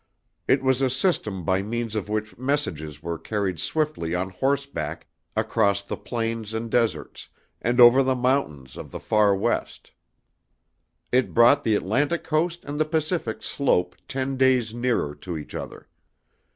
It was a system by means of which messages were carried swiftly on horseback across the plains and deserts, and over the mountains of the far West. It brought the Atlantic coast and the Pacific slope ten days nearer to each other.